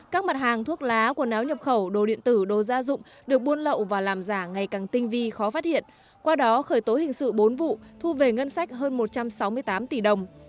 các mặt hàng thuốc lá quần áo nhập khẩu đồ điện tử đồ gia dụng được buôn lậu và làm giả ngày càng tinh vi khó phát hiện qua đó khởi tố hình sự bốn vụ thu về ngân sách hơn một trăm sáu mươi tám tỷ đồng